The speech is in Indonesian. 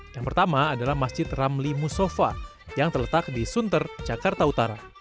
yang pertama adalah masjid ramli musofa yang terletak di sunter jakarta utara